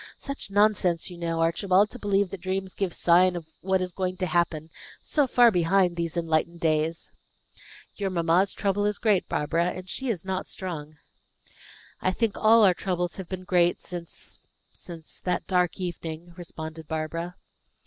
Such nonsense, you know, Archibald, to believe that dreams give signs of what is going to happen, so far behind these enlightened days!" "Your mamma's trouble is great, Barbara; and she is not strong." "I think all our troubles have been great since since that dark evening," responded Barbara.